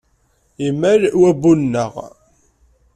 Imlal wabbu-nneɣ.